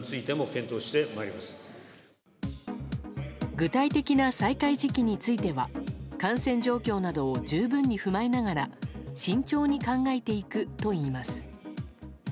具体的な再開時期については感染状況などを十分に踏まえながら慎重に考えていくといいます。